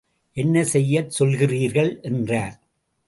என்ன செய்யச் சொல்கிறீர்கள்? என்றார்.